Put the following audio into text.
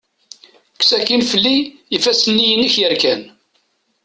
Kkes akin fell-i ifassen-nni inek yerkan.